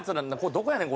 どこやねん？